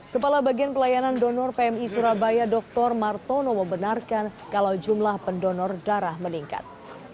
kepala bagian pelayanan donor pmi surabaya dr martono membenarkan kalau jumlah pendonor darah meningkat